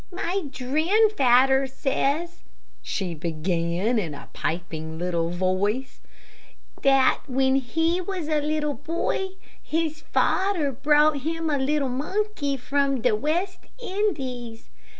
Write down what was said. "My dranfadder says," she began, in a piping little voice, "dat when he was a little boy his fadder brought him a little monkey from de West Indies.